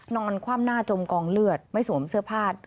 คว่ำหน้าจมกองเลือดไม่สวมเสื้อผ้า